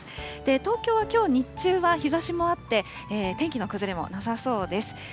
東京はきょう、日中は日ざしもあって、天気の崩れもなさそうです。